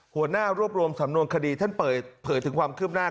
หัวหน้ารวบรวมสำนวนคดีท่านเปิดเผยถึงความคืบหน้า